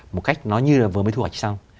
một cách nó như là vừa mới thu hoạch xong